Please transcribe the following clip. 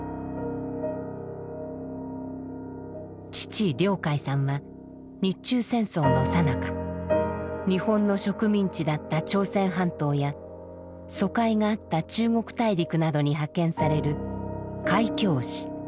父亮誡さんは日中戦争のさなか日本の植民地だった朝鮮半島や租界があった中国大陸などに派遣される「開教使」